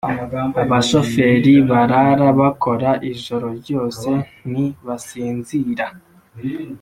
abashoferi barara bakora ijoro ryose ntibasinzira